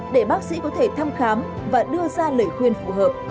để bác sĩ có thể thăm khám và đưa ra lời khuyên phù hợp